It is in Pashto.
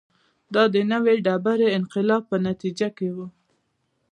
دا د نوې ډبرې انقلاب په نتیجه کې و